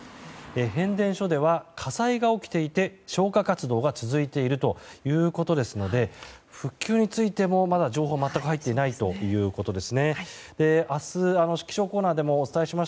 変電所では火災が起きていて消火活動が続いているということですので復旧についても、まだ情報が全く入っていないということです。